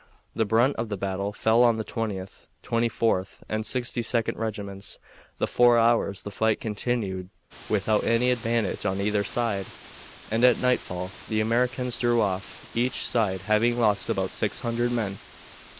The brunt of the battle fell on the Twentieth, Twenty fourth, and Sixty second regiments. For four hours the fight continued without any advantage on either side, and at nightfall the Americans drew off, each side having lost about six hundred men.